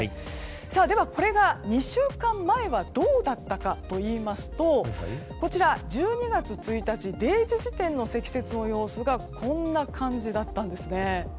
では、これが２週間前はどうだったかといいますと１２月１日０時時点の積雪の様子がこんな感じだったんですね。